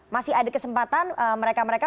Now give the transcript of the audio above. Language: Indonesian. masih ada kesempatan mereka mereka